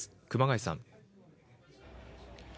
熊谷さん。